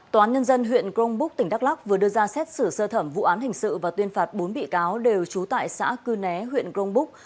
tòa án nhân dân huyện grongbuc tỉnh đắk lắc vừa đưa ra xét xử sơ thẩm vụ án hình sự và tuyên phạt bốn bị cáo đều trú tại xã cư né huyện grongbuc